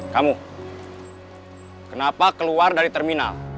kamu kenapa keluar dari terminal